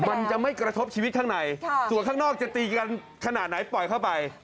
มันจะไม่กระทบชีวิตข้างในส่วนข้างนอกจะตีกันขนาดไหนปล่อยเข้าไป